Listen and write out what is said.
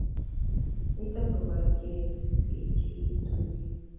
Mito kobiregei biik chegitunge